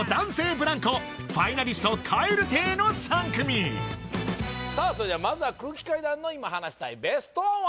ブランコファイナリスト蛙亭の３組さあそれではまずは空気階段の今話したいベストワンは？